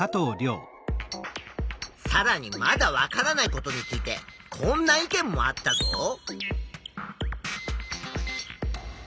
さらにまだ分からないことについてこんな意見もあったぞ。